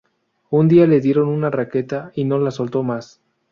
Un día le dieron una raqueta y no la soltó más.